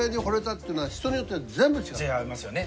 違いますよね。